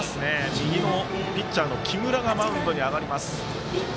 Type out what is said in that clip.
右のピッチャーの木村がマウンドに上がります。